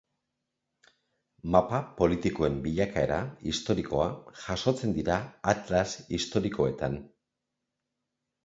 Mapa politikoen bilakaera historikoa jasotzen dira atlas historikoetan.